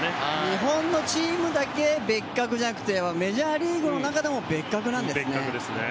日本のチームだけ別格じゃなくてメジャーリーグの中でも別格なんですね。